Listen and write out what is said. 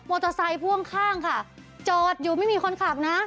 เตอร์ไซค์พ่วงข้างค่ะจอดอยู่ไม่มีคนขับนะ